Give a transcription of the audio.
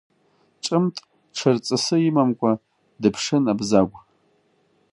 Ҿымҭ, ҽырҵысы имамкәа, дыԥшын Абзагә.